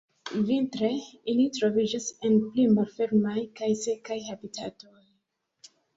Vintre ili troviĝas en pli malfermaj kaj sekaj habitatoj.